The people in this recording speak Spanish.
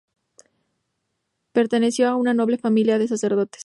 Perteneció a una noble familia de sacerdotes.